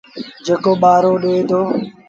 جيڪو پآهرو ڏي دو۔